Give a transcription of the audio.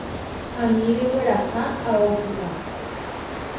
Ani regueraha ao ky’a.